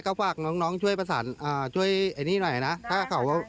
ก็ฝากน้องน้องช่วยประสานช่วยไอ้นี่หน่อยนะถ้าเขา